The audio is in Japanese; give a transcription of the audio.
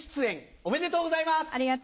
ありがとうございます。